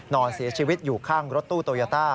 นอนเสียชีวิตอยู่ข้างรถตู้โตยาต้า